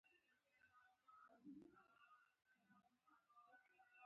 ماش پلو یو مشهور خواړه دي.